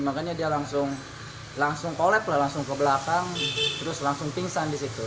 makanya dia langsung kolep lah langsung ke belakang terus langsung pingsan disitu